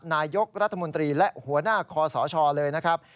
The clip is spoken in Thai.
นายกรัฐมนตรีและหัวหน้าคอสชเลยนะครับ